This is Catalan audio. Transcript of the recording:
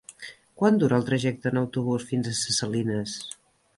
Quant dura el trajecte en autobús fins a Ses Salines?